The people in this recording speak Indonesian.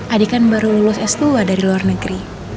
adikan baru lulus s dua dari luar negeri